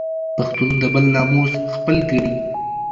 پښتون د بل ناموس خپل ګڼي